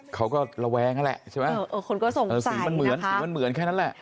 เขาก็ระแวงนั่นแหละสีมันเหมือนแค่นั้นแหละ